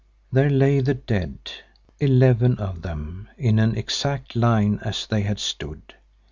There lay the dead, eleven of them, in an exact line as they had stood.